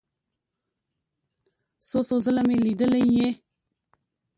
څو څو ځله مې لیدلی یې.